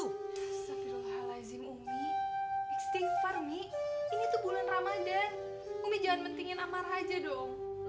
sepirul halai zim umi extinct parmi ini tuh bulan ramadhan umi jangan mentingin ammar aja dong